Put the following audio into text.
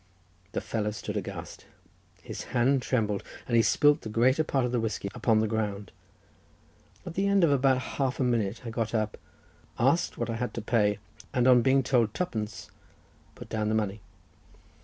The fellow stood aghast; his hand trembled, and he spilt the greater part of the whiskey upon the ground. At the end of about half a minute I got up, asked what I had to pay, and on being told two pence, I put down the money.